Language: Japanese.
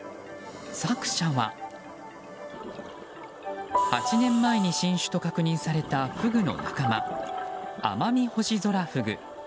作者は８年前に新種と確認されたフグの仲間アマミホシゾラフグ。